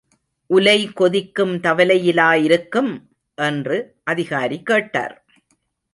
உலை கொதிக்கும் தவலையிலா இருக்கும்? என்று அதிகாரி கேட்டார்.